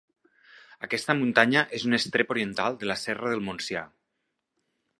Aquesta muntanya és un estrep oriental de la Serra del Montsià.